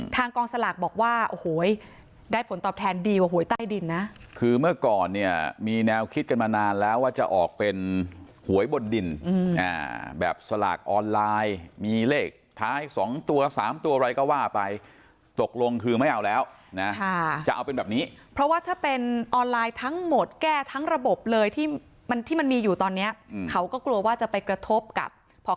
กองสลากบอกว่าโอ้โหได้ผลตอบแทนดีกว่าหวยใต้ดินนะคือเมื่อก่อนเนี่ยมีแนวคิดกันมานานแล้วว่าจะออกเป็นหวยบนดินแบบสลากออนไลน์มีเลขท้ายสองตัวสามตัวอะไรก็ว่าไปตกลงคือไม่เอาแล้วนะจะเอาเป็นแบบนี้เพราะว่าถ้าเป็นออนไลน์ทั้งหมดแก้ทั้งระบบเลยที่มันที่มันมีอยู่ตอนเนี้ยเขาก็กลัวว่าจะไปกระทบกับพอ